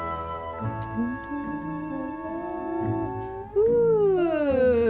ふう。